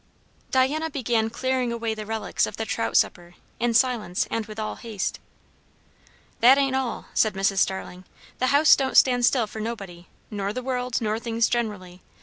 Diana began clearing away the relics of the trout supper, in silence and with all haste. "That ain't all," said Mrs. Starling. "The house don't stand still for nobody, nor the world, nor things generally.